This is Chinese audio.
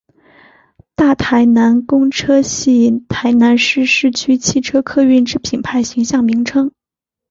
大台南公车系台南市市区汽车客运之品牌形象名称。